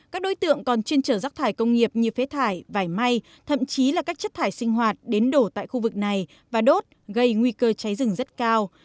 các đối tượng còn chuyên trở rác thải công nghiệp như phế thải vải may thậm chí là các chất thải sinh hoạt đến đổ tại khu vực này và đốt gây nguy cơ cháy rừng rất cao